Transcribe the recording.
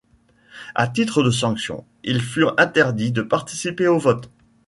À titre de sanction, ils furent interdits de participer au vote.